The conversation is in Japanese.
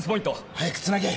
・早くつなげ